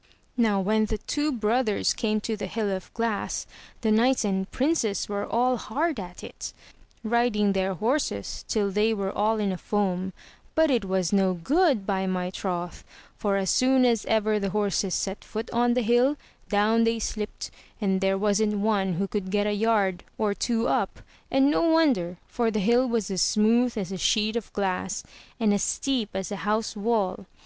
^^—.—^ 57 MY BOOK HOUSE Now when the two brothers came to the hill of glass the knights and princes were all hard at it, riding their horses till they were all in a foam; but it was no good, by my troth; for as soon as ever the horses set foot on the hill, down they slipped, and there wasn't one who could get a yard or two up; and no wonder, for the hill was as smooth as a sheet of glass, and as steep as a house wall.